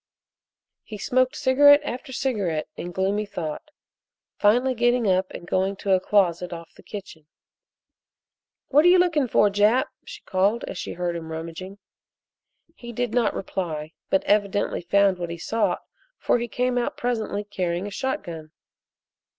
He smoked cigarette after cigarette in gloomy thought, finally getting up and going to a closet off the kitchen. "What are you looking for, Jap?" she called as she heard him rummaging. He did not reply, but evidently found what he sought for he came out presently carrying a shotgun.